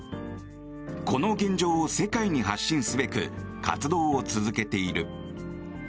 この現状を世界に発信すべく活動を続けている。